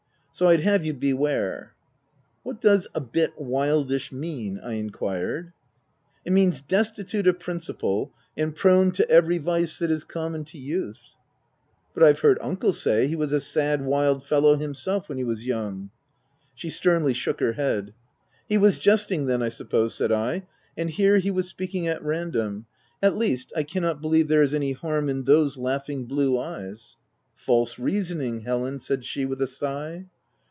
So I'd have you beware." " What does c sl bit wildish' mean ?" I en quired. '* It means destitute of principle, and prone to every vice that is common to youth." * But I've heard uncle say he was a sad wild fellow himself, when he was young." OF W1LDFELL HALL. 283 She sternly shook her head. " He was jesting then, I suppose/' said I, u and here he was speaking at random — at least, I cannot believe there is any harm in those laughing blue eyes." " False reasoning, Helen !" said she with a sigh.